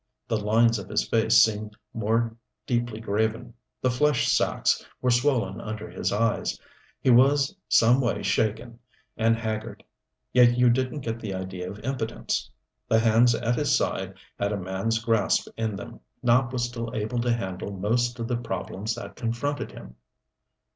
The lines of his face seemed more deeply graven, the flesh sacks were swollen under his eyes, he was some way shaken and haggard. Yet you didn't get the idea of impotence. The hands at his side had a man's grasp in them. Nopp was still able to handle most of the problems that confronted him.